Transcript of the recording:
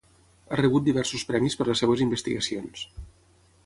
Ha rebut diversos premis per les seves investigacions.